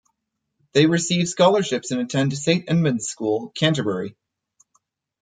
They receive scholarships and attend Saint Edmund's School, Canterbury.